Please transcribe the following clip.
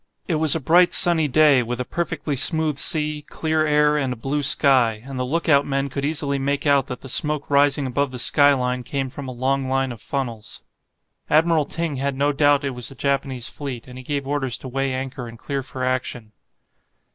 It was a bright sunny day, with a perfectly smooth sea, clear air, and a blue sky, and the look out men could easily make out that the smoke rising above the skyline came from a long line of funnels. Admiral Ting had no doubt it was the Japanese fleet, and he gave orders to weigh anchor and clear for action.